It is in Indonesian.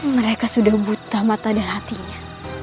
mereka sudah buta mata dan hatinya